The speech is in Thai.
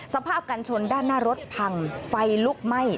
สภาพการชนด้านหน้ารถพังไฟลุกไหม้